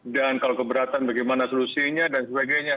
dan kalau keberatan bagaimana solusinya dan sebagainya